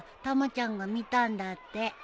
たまちゃんが見たんだって。